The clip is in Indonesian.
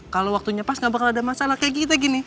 kalau waktunya pas gak bakal ada masalah kayak kita gini